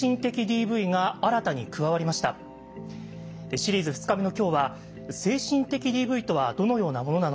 シリーズ２日目の今日は精神的ＤＶとはどのようなものなのか。